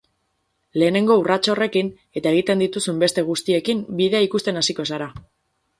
Lehenengo urrats horrekin, eta egiten dituzun beste guztiekin bidea ikusten hasiko zara.